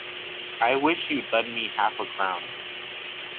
I wish you'd lend me half a crown.